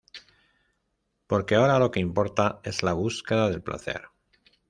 Porque ahora lo que importa es la búsqueda del placer.